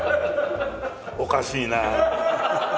おかしいな。